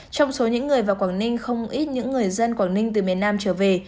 trong số những người vào quảng ninh không ít những người dân quảng ninh từ miền nam trở về